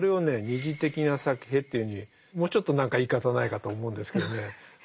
「二次的なサケヘ」というふうにもうちょっと何か言い方ないかと思うんですけどね。